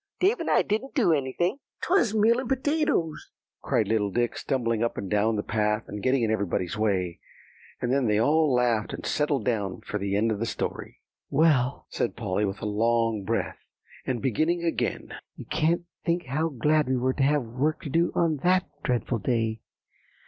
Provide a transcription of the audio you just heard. "Dave and I didn't do anything." "'Twas meal and potatoes," cried little Dick, stumbling up and down the path, and getting in everybody's way. And then they all laughed, and settled down for the end of the story. "Well," said Polly with a long breath, and beginning again, "you can't think how glad we were to have work to do on that dreadful day.